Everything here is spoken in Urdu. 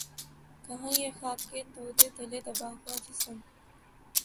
کہاں یہ خاک کے تودے تلے دبا ہوا جسم